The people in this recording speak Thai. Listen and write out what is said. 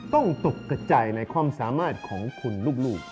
ตกกระจายในความสามารถของคุณลูก